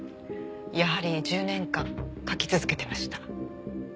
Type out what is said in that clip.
やはり１０年間書き続けてました。